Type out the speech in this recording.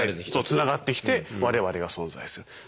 そうつながってきて我々が存在する。